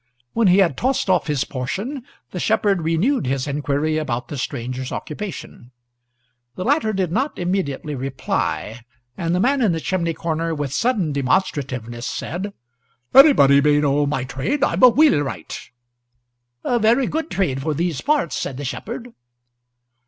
When he had tossed off his portion the shepherd renewed his inquiry about the stranger's occupation. The latter did not immediately reply, and the man in the chimney corner, with sudden demonstrativeness, said, "Anybody may know my trade I'm a wheelwright." "A very good trade for these parts," said the shepherd.